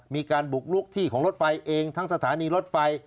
มีการบุกลุกที่ของรถไฟเองทั้งสถานีรถไฟ